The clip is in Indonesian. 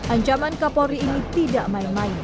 ancaman kapolri ini tidak main main